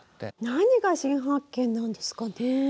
何が「新発見」なんですかね？